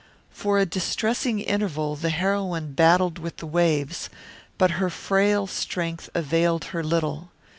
For a distressing interval the heroine battled with the waves, but her frail strength availed her little.